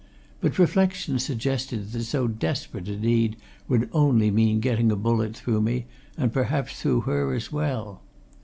But reflection suggested that so desperate a deed would only mean getting a bullet through me, and perhaps through her as well.